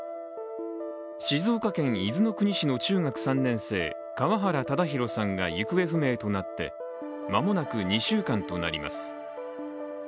静岡県伊豆の国市の中学３年生、川原唯滉さんが行方不明になって間もなく２週間となります。